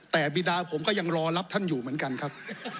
แต่บีดาผมก็ยังรอรับท่านอยู่เหมือนกันครับ